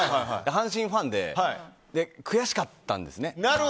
阪神ファンで悔しかったんですね。